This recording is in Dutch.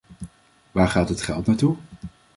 Waar gaat het geld naartoe?